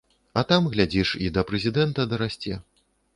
А там, глядзіш, і да прэзідэнта дарасце.